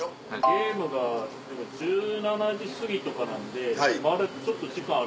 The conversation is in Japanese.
ゲームがでも１７時過ぎとかなんでまだちょっと時間ある。